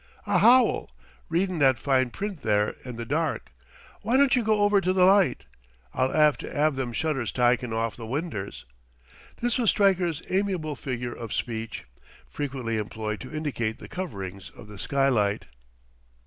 "A howl, readin' that fine print there in the dark. W'y don't you go over to the light?... I'll 'ave to 'ave them shutters tyken off the winders." This was Stryker's amiable figure of speech, frequently employed to indicate the coverings of the skylight.